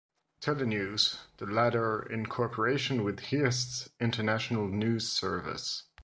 Telenews, the latter in cooperation with Hearst's International News Service.